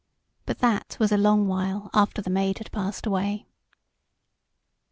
But that was a long while after the Maid had passed away.